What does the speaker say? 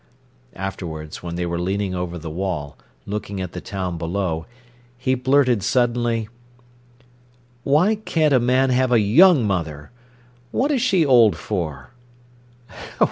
Afterwards, when they were leaning over the wall, looking at the town below, he blurted suddenly: "Why can't a man have a young mother? What is she old for?"